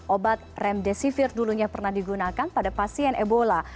obat remdesivir dulunya pernah digunakan pada pasien ebola